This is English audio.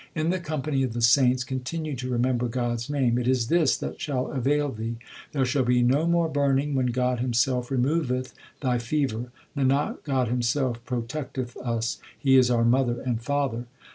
In the company of the saints continue to remember God s name ; it is this that shall avail thee. There shall be no more burning when God Himself re moveth thy fever ; Nanak, God Himself protecteth us ; He is our mother and father.